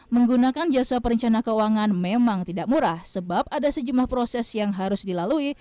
menggunakan jasa perencana keuangan memang tidak murah sebab ada sejumlah proses yang harus dilalui